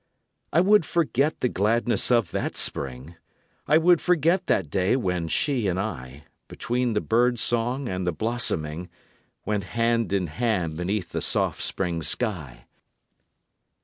I would forget the gladness of that spring! I would forget that day when she and I, Between the bird song and the blossoming, Went hand in hand beneath the soft spring sky!